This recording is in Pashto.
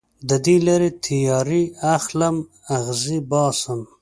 د دې لارې تیارې اخلم اغزې باسم